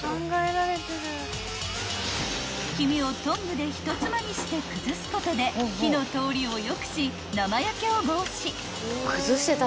［黄身をトングでひとつまみして崩すことで火の通りをよくし生焼けを防止］